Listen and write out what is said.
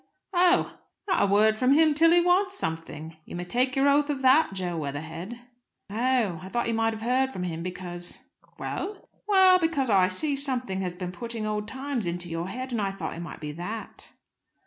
"Oh!" "Not a word from him till he wants something. You may take your oath of that, Jo Weatherhead." "Oh, I thought you might have heard from him, because " "Well?" (very sharply). "Well, because I see something has been putting old times into your head; and I thought it might be that."